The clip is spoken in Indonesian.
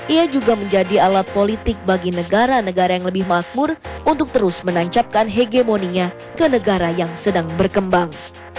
ia juga menjadi alat politik bagi negara negara yang lebih makmur untuk terus menancapkan hegemoninya ke negara yang sedang berkembang